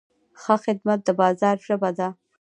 ښه خدمت د بازار ژبه ده.